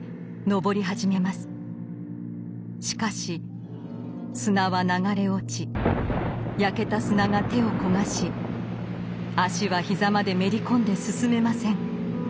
しかし砂は流れ落ち焼けた砂が手を焦がし足は膝までめり込んで進めません。